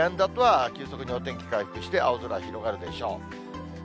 あとは急速にお天気回復して、青空広がるでしょう。